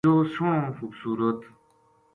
یوہ سوہنو خوبصورت